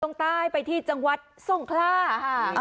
ตรงใต้ไปที่จังหวัดทรงคล่าค่ะ